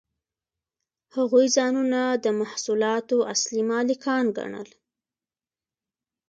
هغوی ځانونه د محصولاتو اصلي مالکان ګڼل